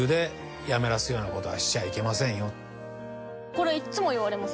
これいっつも言われます。